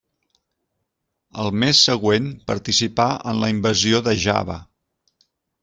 Al mes següent participà en la invasió de Java.